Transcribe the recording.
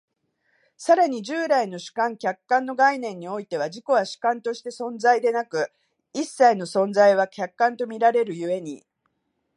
更に従来の主観・客観の概念においては、自己は主観として存在でなく、一切の存在は客観と見られる故に、